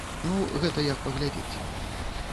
Ну, гэта як паглядзець.